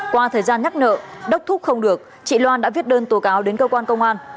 qua thời gian nhắc nợ đốc thúc không được chị loan đã viết đơn tố cáo đến cơ quan công an